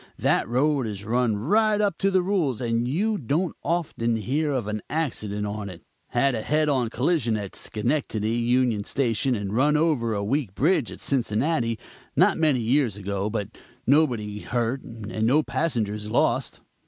That road is run right up to the rules and you don't often hear of an accident on it. Had a head on collision at Schenectady union station and run over a weak bridge at Cincinnati, not many years ago, but nobody hurt, and no passengers lost.